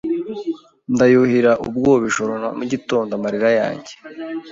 Ndayuhira ubwoba Ijoro na mugitondo amarira yanjye